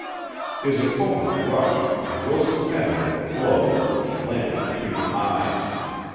His opponent rushed and Wilson met him with a blow which landed between the eyes.